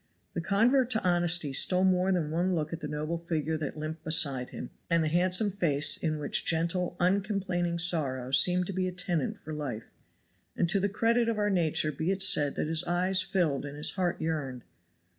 The convert to honesty stole more than one look at the noble figure that limped beside him and the handsome face in which gentle, uncomplaining sorrow seemed to be a tenant for life; and to the credit of our nature be it said that his eyes filled and his heart yearned.